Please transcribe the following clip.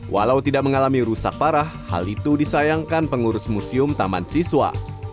walau tidak mengalami rusak parah hal itu disayangkan pengurus museum taman siswa